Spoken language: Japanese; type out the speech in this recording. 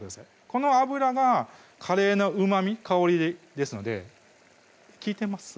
この油がカレーのうまみ・香りですので聞いてます？